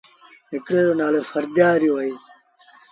هڪڙي رو نآلو سرڌآريو هُݩدو۔